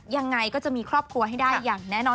ยังไงก็จะมีครอบครัวให้ได้อย่างแน่นอน